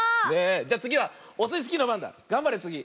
じゃつぎはオスイスキーのばんだ。がんばれつぎ。